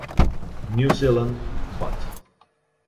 New Zealand, Bot.